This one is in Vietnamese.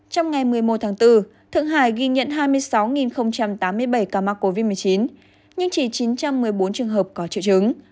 trong ngày một mươi một tháng bốn thượng hải ghi nhận hai mươi sáu tám mươi bảy ca mắc covid một mươi chín nhưng chỉ chín trăm một mươi bốn trường hợp có triệu chứng